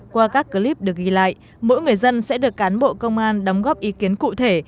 qua các clip được ghi lại mỗi người dân sẽ được cán bộ công an đóng góp ý kiến cụ thể